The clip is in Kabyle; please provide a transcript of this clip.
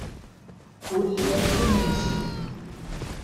Ur lliɣ d win n zik.